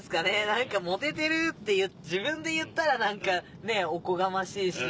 何か「モテてる」って自分で言ったら何かねおこがましいし。